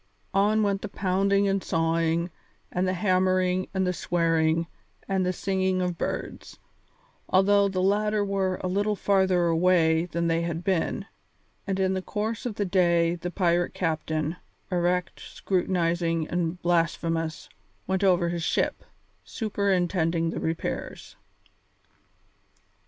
On went the pounding and the sawing and the hammering and the swearing and the singing of birds, although the latter were a little farther away than they had been, and in the course of the day the pirate captain, erect, scrutinizing, and blasphemous, went over his ship, superintending the repairs.